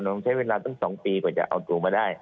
น้องใช้เวลาตั้ง๒ปีกว่าจะเอาจุมาได้